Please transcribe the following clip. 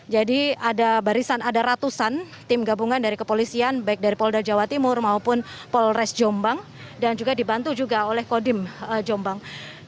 jadi ada barisan ada ratusan tim gabungan dari kepolisian baik dari polda jawa timur maupun polres jombang dan juga dibantu juga oleh kodim jombang